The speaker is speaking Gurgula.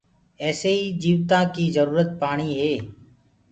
ايسي ئيٚ جيوتآنٚ ڪيٚ جروٚرت پآڻيٚ هي